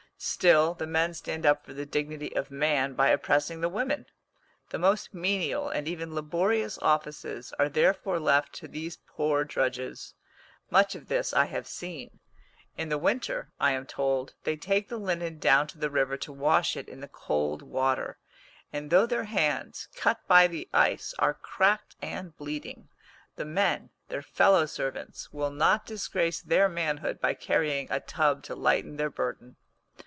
Still the men stand up for the dignity of man by oppressing the women. The most menial, and even laborious offices, are therefore left to these poor drudges. Much of this I have seen. In the winter, I am told, they take the linen down to the river to wash it in the cold water, and though their hands, cut by the ice, are cracked and bleeding, the men, their fellow servants, will not disgrace their manhood by carrying a tub to lighten their burden.